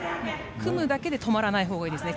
組むだけで止まらないほうがいいですね。